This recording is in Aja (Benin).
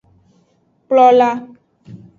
Kplola.